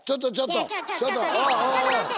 ちょっと待って。